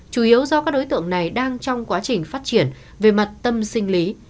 chủ yếu do các đối tượng này đang trong quá trình phát triển về mặt tâm sinh lý